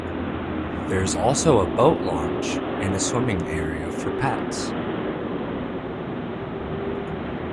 There is also a boat launch and a swimming area for pets.